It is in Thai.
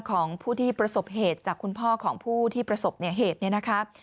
ของผู้ที่ประสบเหตุจากคุณพ่อของผู้ที่ประสบเหตุเนี่ยนะคะ